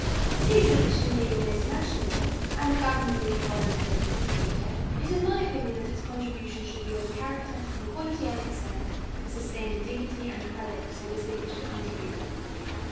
The exhibition being an international one, and the Government being a voluntary contributor, it is my opinion that its contribution should be of a character, in quality and extent, to sustain the dignity and credit of so distinguished a contributor.